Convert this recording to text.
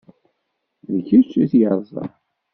D kečč i t-yeṛẓan.